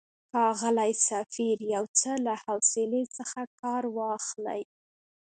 ښاغلی سفیر، یو څه له حوصلې څخه کار واخلئ.